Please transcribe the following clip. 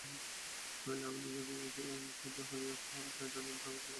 নইলে আমি নিজের দেশে এসএনজিপিএলের হয়ে কায়েদে আজম ট্রফিতে খেলাটাই পছন্দ করব।